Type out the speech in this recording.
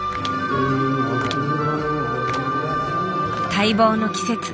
待望の季節。